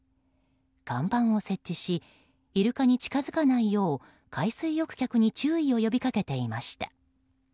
看板を設置しイルカに近づかないよう海水浴客に注意を呼び掛けていました。